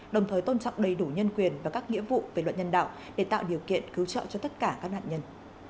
đồng thời tôn trọng đầy đủ nhân quyền và các nghĩa vụ về luận nhân đạo để tạo điều kiện cứu trợ cho tất cả các nạn nhân